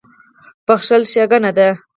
• بښل ښېګڼه ده.